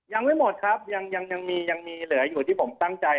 ยังไม่หมดครับยังมียังมีเหลืออยู่ที่ผมตั้งใจ